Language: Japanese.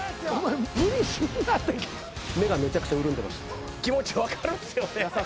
目がめちゃくちゃ潤んでました。